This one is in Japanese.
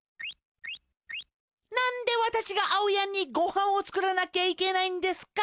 なんでわたしがあおやんにごはんをつくらなきゃいけないんですか？